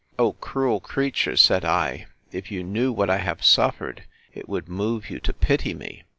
O cruel creature! said I, if you knew what I have suffered, it would move you to pity me!